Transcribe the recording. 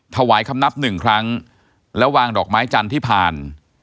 ถวายคำนับหนึ่งครั้งแล้ววางดอกไม้จันทร์ที่ผ่าน